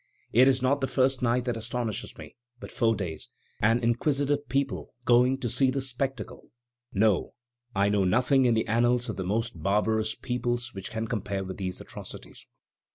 It is not the first night that astonishes me; but four days! and inquisitive people going to see this spectacle! No, I know nothing in the annals of the most barbarous peoples which can compare with these atrocities."